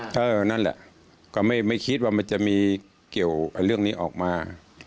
ก็นั่นแหละก็ไม่คิดว่ามันจะมีเกี่ยวเรื่องนี้ออกมา